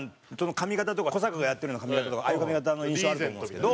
髪形とか古坂がやってるような髪形とかああいう髪形の印象あると思うんですけど。